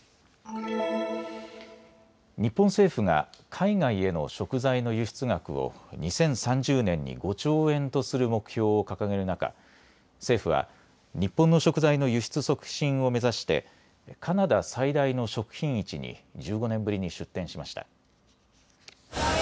日本政府が海外への食材の輸出額を２０３０年に５兆円とする目標を掲げる中政府は日本の食材の輸出促進を目指してカナダ最大の食品市に１５年ぶりに出展しました。